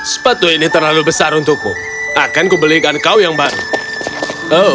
sepatu ini terlalu besar untukmu aku akan membeli sepatu baru untukmu